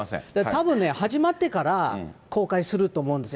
たぶんね、始まってから後悔すると思うんです。